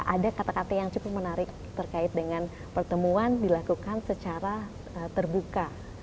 ada kata kata yang cukup menarik terkait dengan pertemuan dilakukan secara terbuka